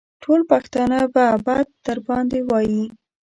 ټول پښتانه به بد در باندې وايي.